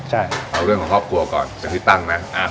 ใช่เอาเรื่องของครอบครัวก่อนเดี๋ยวพี่ตั้งนะอ่ะ